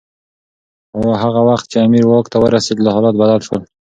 هغه وخت چي امیر واک ته ورسېد حالات بدل شول.